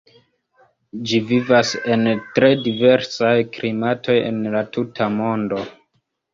Ĝi vivas en tre diversaj klimatoj en la tuta mondo.